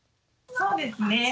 そうですね。